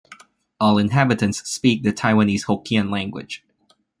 All inhabitants speak the Taiwanese Hokkien language.